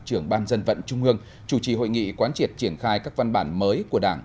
trưởng ban dân vận trung ương chủ trì hội nghị quán triệt triển khai các văn bản mới của đảng